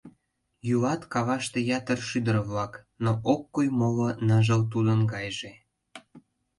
Йӱлат каваште ятыр шӱдыр-влак, Но ок кой моло ныжыл тудын гайже.